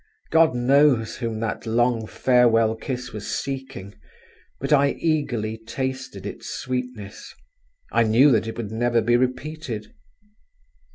God knows whom that long farewell kiss was seeking, but I eagerly tasted its sweetness. I knew that it would never be repeated.